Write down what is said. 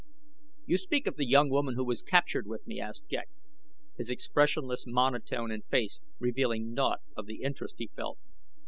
"You speak of the young woman who was captured with me?" asked Ghek, his expressionless monotone and face revealing naught of the interest he felt.